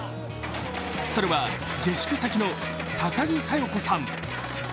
それは下宿先の高木佐代子さん。